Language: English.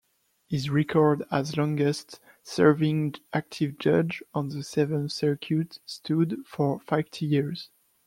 His record as longest-serving active judge on the Seventh Circuit stood for fifty years.